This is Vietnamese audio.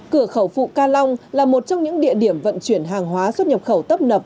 cửa khẩu phụ ca long là một trong những địa điểm vận chuyển hàng hóa xuất nhập khẩu tấp nập